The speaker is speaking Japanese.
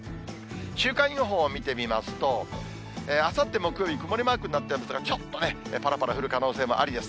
週間予報を見てみますと、あさって木曜日、曇りマークになってますが、ちょっとね、ぱらぱら降る可能性もありです。